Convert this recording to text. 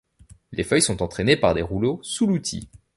Les feuilles sont entraînées par des rouleaux sous l'outil.